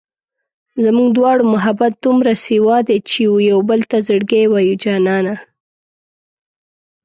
زموږ دواړو محبت دومره سېوا دی چې و يوبل ته زړګی وایو جانانه